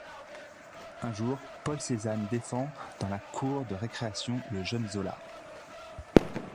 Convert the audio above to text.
Un jour, Paul Cézanne défend dans la cour de récréation le jeune Zola.